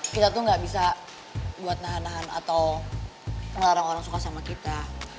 kita tuh gak bisa buat nahan nahan atau ngelarang orang suka sama kita